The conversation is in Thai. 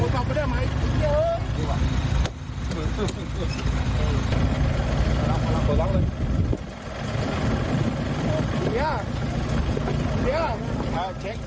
ค่ะ